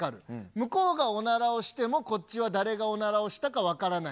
向こうがおならをしても、こっちは誰がおならをしたか分からない。